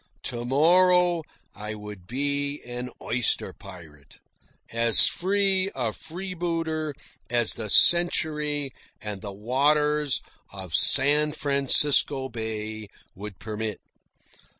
To morrow I would be an oyster pirate, as free a freebooter as the century and the waters of San Francisco Bay would permit.